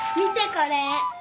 これ。